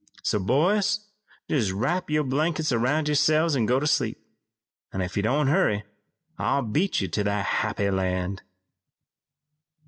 So, boys, jest wrap your blankets about yourselves an' go to sleep, an' if you don't hurry I'll beat you to that happy land."